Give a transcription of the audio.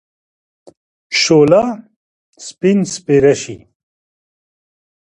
شوله! سپين سپيره شې.